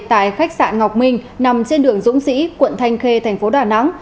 tại khách sạn ngọc minh nằm trên đường dũng sĩ quận thanh khê thành phố đà nẵng